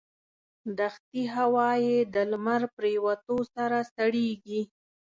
دښتي هوا یې د لمر پرېوتو سره سړېږي.